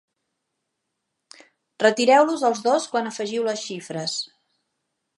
Retireu-los els dos quan afegiu les xifres.